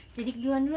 jadi keduan dulu ya